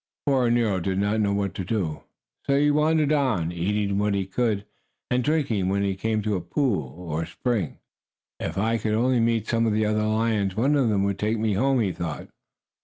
Poor Nero did not know what to do, so he wandered on, eating when he could, and drinking when he came to a pool or a spring. "If I could only meet some other lions one of them would take me home," he thought.